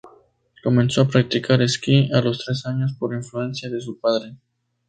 Comenzó a practicar esquí a los tres años por influencia de su padre.